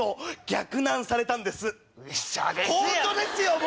本当ですよ！